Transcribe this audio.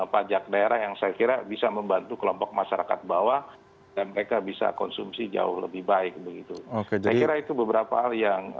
pajak daerah yang saya kira bisa membantu kelompok masyarakat bawah dan mereka bisa konsumsi jauh lebih baik begitu oke saya kira itu beberapa hal yang